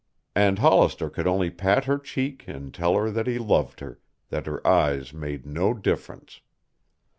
And Hollister could only pat her cheek and tell her that he loved her, that her eyes made no difference.